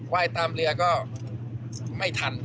ยตามเรือก็ไม่ทัน